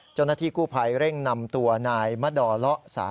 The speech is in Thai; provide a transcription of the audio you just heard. เจ้าหน้าที่กู้ภัยเร่งนำตัวนายมะดอเลาะสา